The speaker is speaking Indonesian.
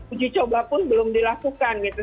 uji coba pun belum dilakukan gitu